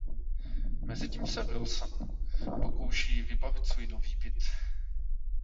Mezitím se Wilson pokouší vybavit svůj nový byt.